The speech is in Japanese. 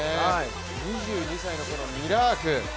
２２歳のミラーク。